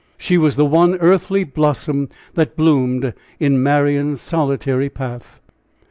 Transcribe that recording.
She was the one earthly blossom that bloomed in Marian's solitary path.